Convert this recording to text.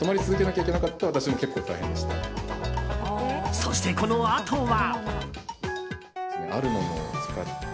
そして、このあとは。